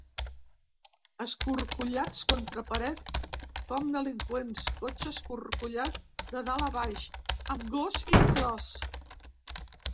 Escorcollats contra paret com delinqüents, cotxe escorcollat de dalt a baix, amb gos inclòs.